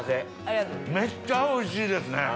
めっちゃおいしいですね！